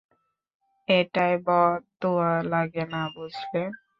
এটায় বদদোয়া লাগে না, বুঝলে।